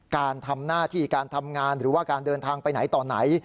การทำหน้าที่การทำงานหรือว่าการเดินทางไปไหนต่อไหน